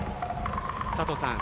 佐藤さん